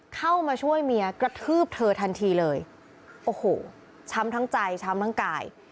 เข้ามาช่วยเมียกระทืบเธอทันทีเลยโอ้โหช้ำทั้งใจช้ำทั้งกาย